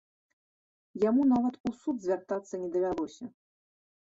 Яму нават у суд звяртацца не давялося.